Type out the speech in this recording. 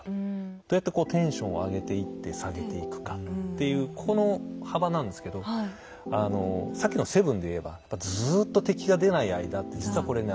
どうやってこうテンションを上げていって下げていくかっていうこの幅なんですけどさっきの「７」で言えばずっと敵が出ない間って実はこれね